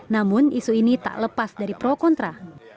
namun isu ini tak lepas dari pro kontra